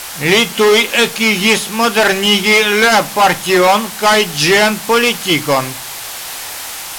Li tuj ekigis modernigi la partion kaj ĝian politikon.